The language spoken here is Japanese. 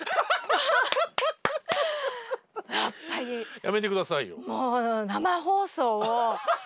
やめて下さいよ